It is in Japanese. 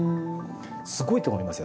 すごいと思いますよ。